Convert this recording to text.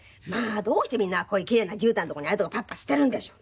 「どうしてみんなこういうキレイなじゅうたんのとこにああいうとこにパッパッ捨てるんでしょう？」。